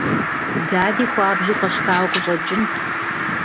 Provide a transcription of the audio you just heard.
Дади хуабжьу къэщтауэ къыщӀэкӀынт.